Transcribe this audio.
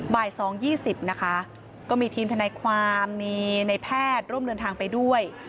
บ่าย๒๒๐นะคะก็มีทีมทนายความมีในแพทย์ร่วมเดินทางไปด้วย